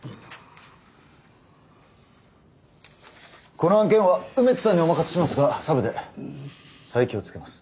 この案件は梅津さんにお任せしますがサブで佐伯をつけます。